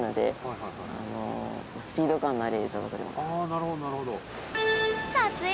なるほどなるほど。